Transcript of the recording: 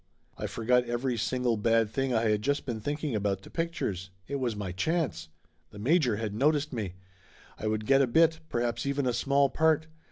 I forgot every single bad thing I had just been thinking about the pictures. It was my chance ! The major had noticed me. I would get a bit, perhaps even a small part.